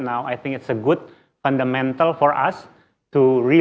saya pikir itu adalah fundamental yang baik untuk kita